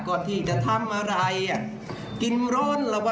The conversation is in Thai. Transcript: คุณพี่ทายครับ